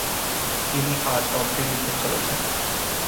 তিনি আজ অব্দি লিখে চলেছেন।